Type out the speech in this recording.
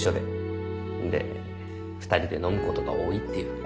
んで２人で飲むことが多いっていう。